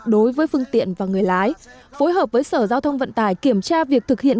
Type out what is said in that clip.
đối với phương tiện và người lái phối hợp với sở giao thông vận tải kiểm tra việc thực hiện